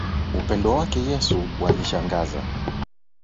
Upendo wake Yesu wanishangaza